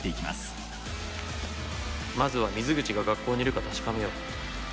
まずは水口が学校にいるか確かめよう。